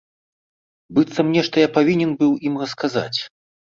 Быццам нешта я павінен быў ім расказаць.